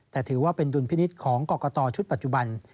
แต่ถือว่าเป็นดุลพินิษฐ์ของกรกตชุดปัจจุบัน